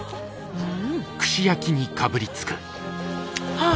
はあ。